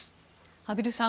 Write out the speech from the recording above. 畔蒜さん